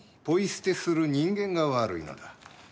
ポイ捨てする人間が悪いのだ。